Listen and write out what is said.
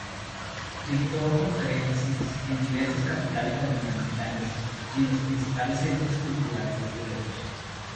Dictó conferencias en diversas capitales latinoamericanas y en los principales centros culturales europeos.